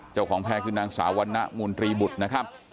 เจ้าของแพรคือนางสาวันนะหมุนตรีบุตรนะครับ